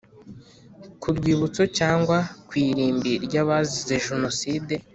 ku rwibutso cyangwa ku irimbi ry abazize Jenoside